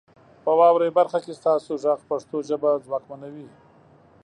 په واورئ برخه کې ستاسو غږ پښتو ژبه ځواکمنوي.